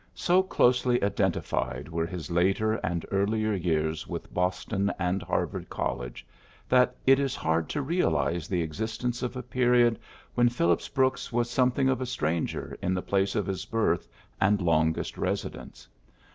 So closely identified were his later and earlier years with Boston and Harvard College that it is hard to realize the existence of a period when Phillips Brooks was something of a stranger in the place of his birth and longest residence.